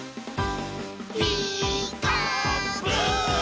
「ピーカーブ！」